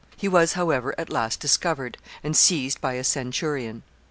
He was, however, at last discovered, and seized by a centurion.